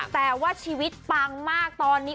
แต่ว่าชีวิตปังมากตอนนี้